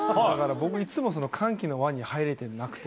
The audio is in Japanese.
僕いつも歓喜の輪には入れてなくて。